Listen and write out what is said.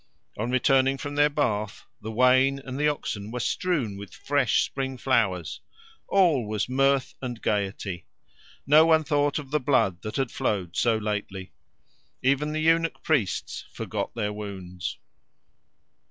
On returning from their bath, the wain and the oxen were strewn with fresh spring flowers. All was mirth and gaiety. No one thought of the blood that had flowed so lately. Even the eunuch priests forgot their wounds.